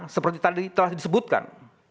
seperti tadi telah disebutkan